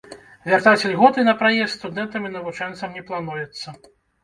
Вяртаць ільготы на праезд студэнтам і навучэнцам не плануецца.